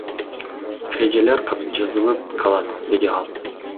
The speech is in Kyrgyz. Эрежелер жазылып калат, — деди ал.